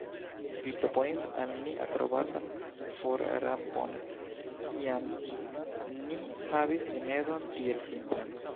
Vi proponis al ni akrobatan forrampon, kiam ni havis rimedon tiel simplan!